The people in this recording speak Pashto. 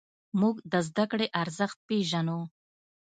موږ د زدهکړې ارزښت پېژنو.